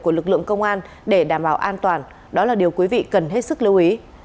của lực lượng công an để đảm bảo an toàn đó là điều quý vị cần hết sức lưu ý